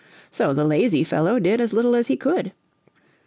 So the lazy fellow did as little as he could.